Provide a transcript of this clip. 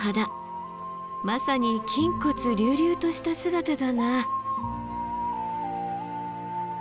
まさに筋骨隆々とした姿だな。